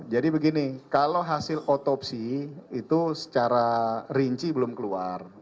jadi begini kalau hasil otopsi itu secara rinci belum keluar